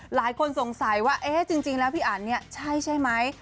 หลายคนสงสัยว่าเอ๊ะจริงแล้วพี่อันเนี่ยใช่ใช่ไหม